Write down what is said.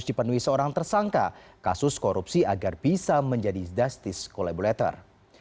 ktp elektronik setia novanto yang juga terdakwa kasus megakorupsi ktp elektronik setia novanto mengajukan permohonan untuk menjadi justice collaborator